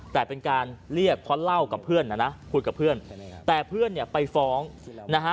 แต่เป็นการเรียกเพราะเล่ากับเพื่อนนะนะคุยกับเพื่อนแต่เพื่อนเนี่ยไปฟ้องนะฮะ